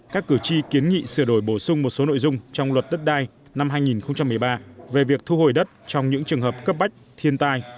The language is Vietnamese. các cử tri kiến nghị sửa đổi bổ sung một số nội dung trong luật đất đai năm hai nghìn một mươi ba về việc thu hồi đất trong những trường hợp cấp bách thiên tai